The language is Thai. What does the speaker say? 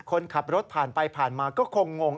คนขับรถผ่านไปผ่านมาก็คงง